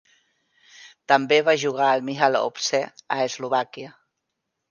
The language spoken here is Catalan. També va jugar al Michalovce a Eslovàquia.